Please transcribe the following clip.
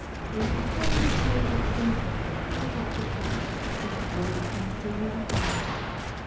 And although his drawing is simple, all that he coloured is rare and truly divine.